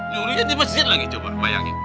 durian di masjid lagi coba bayangin